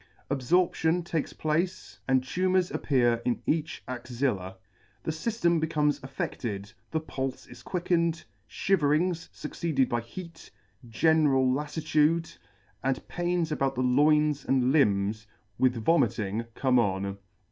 Ab forption takes place, and tumours appear in each axilla. The fyftem becomes affe£ted, the pulfe is quickened; fhiverings, fucceeded by heat, general lafiitude and pains about the loins and limbs, with vomiting, come on.